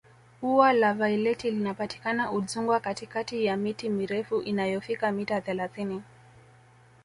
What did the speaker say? ua la vaileti linapatikana udzungwa katikati ya miti mirefu inayofika mita thelathini